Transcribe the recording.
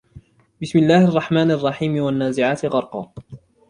بسم الله الرحمن الرحيم والنازعات غرقا